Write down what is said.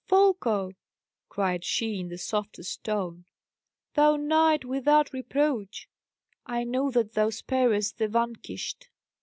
"Folko," cried she, in the softest tone, "thou knight without reproach! I know that thou sparest the vanquished."